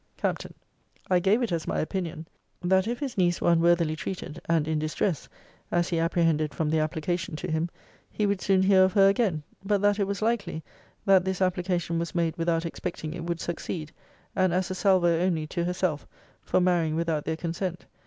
Capt. 'I gave it as my opinion, that if his niece were unworthily treated, and in distress, (as he apprehended from the application to him,) he would soon hear of her again: but that it was likely, that this application was made without expecting it would succeed; and as a salvo only, to herself, for marrying without their consent.